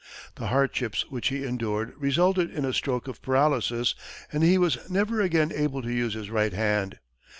The hardships which he endured resulted in a stroke of paralysis and he was never again able to use his right hand.